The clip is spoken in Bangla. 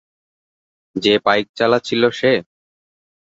যে বাইক চালাচ্ছিল সে?